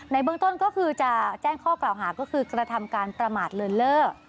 เบื้องต้นก็คือจะแจ้งข้อกล่าวหาก็คือกระทำการประมาทเลินเล่อ